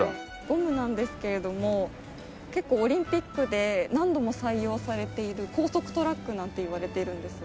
ゴムなんですけれども結構オリンピックで何度も採用されている高速トラックなんていわれているんです。